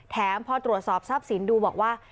พอตรวจสอบทรัพย์สินดูบอกว่า